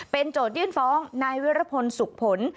เป็นโจทย์ยื่นฟ้องนายเวรพลสุขภนธ์